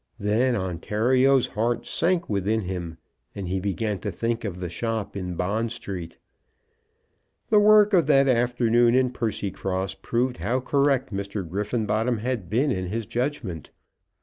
Then Ontario's heart sank within him, and he began to think of the shop in Bond Street. The work of that afternoon in Percycross proved how correct Mr. Griffenbottom had been in his judgment.